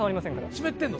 湿ってんの？